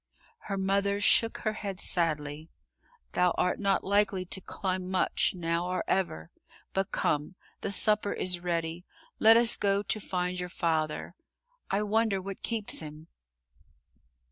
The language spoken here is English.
Her mother shook her head sadly. "Thou art not likely to climb much, now or ever, but come, the supper is ready; let us go to find your father. I wonder what keeps him."